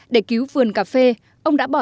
để cứu vườn cà phê ông đã bỏ ra